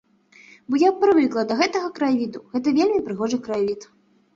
Бо я прывыкла да гэтага краявіду, гэта вельмі прыгожы краявід.